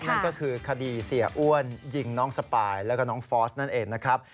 นั่นก็คือคดีเสียอ้วนยิงน้องสปายแล้วก็น้องฟอสนั่นเองนะครับ